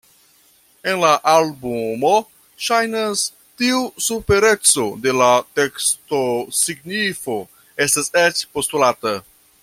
En la albumo, ŝajnas, tiu supereco de la tekstosignifo estas eĉ postulata.